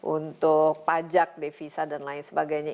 untuk pajak devisa dan lain sebagainya